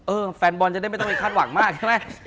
แฟนบอลจะได้ไม่ต้องไปคาดหวังมากใช่ไหม